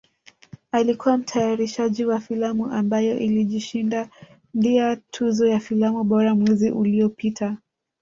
Alikuwa mtayarishaji wa filamu ambayo ilijishindia tuzo ya filamu bora mwezi uliopita